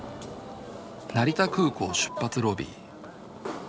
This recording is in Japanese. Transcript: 成田空港出発ロビー。